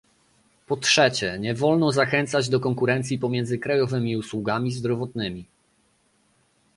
Po trzecie, nie wolno zachęcać do konkurencji pomiędzy krajowymi usługami zdrowotnymi